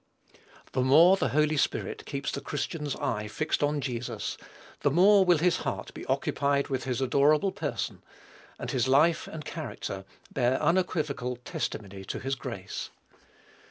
The more the Holy Spirit keeps the Christian's eye fixed on Jesus, the more will his heart be occupied with his adorable Person, and his life and character bear unequivocal testimony to his grace.